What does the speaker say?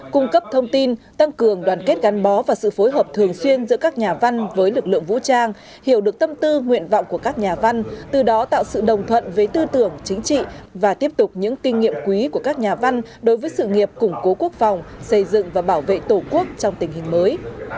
cung cấp thông tin tăng cường đoàn kết gắn bó và sự phối hợp thường xuyên giữa các nhà văn với lực lượng vũ trang hiểu được tâm tư nguyện vọng của các nhà văn từ đó tạo sự đồng thuận với tư tưởng chính trị và tiếp tục những kinh nghiệm quý của các nhà văn đối với sự nghiệp củng cố quốc phòng xây dựng và bảo vệ tổ quốc trong tình hình mới